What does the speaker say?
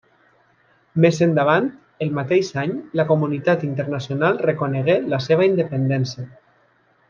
Més endavant, el mateix any, la comunitat internacional reconegué la seva independència.